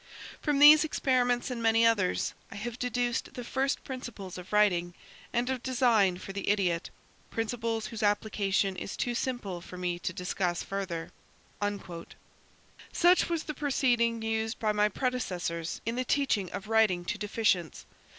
"From these experiments and many others, I have deduced the first principles of writing and of design for the idiot; principles whose application is too simple for me to discuss further." Such was the proceeding used by my predecessors in the teaching of writing to deficients.